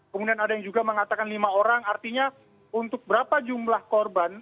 kemudian ada yang juga mengatakan lima orang artinya untuk berapa jumlah korban